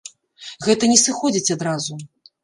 Гэта не сыходзіць адразу.